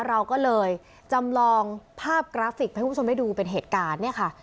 เราก็เลยจำลองภาพกราฟิกให้คุณผู้ชมได้ดูเป็นเหตุการณ์เนี่ยค่ะ